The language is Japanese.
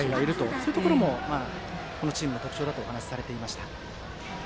そういうところもチームの特徴だとお話しされていました。